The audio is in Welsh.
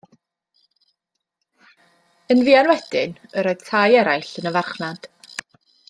Yn fuan wedyn, yr oedd tai eraill yn y farchnad.